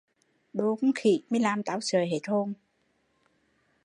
Đồ con khỉ, mi làm tau sợ hết hồn